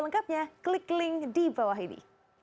lengkapnya klik link di bawah ini